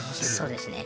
そうですね。